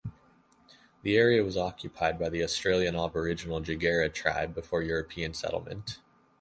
The area was occupied by the Australian Aboriginal Jagera tribe before European settlement.